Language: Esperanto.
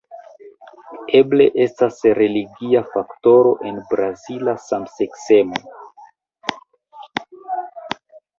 Eble estas religia faktoro en brazila samseksemo.